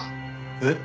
えっ？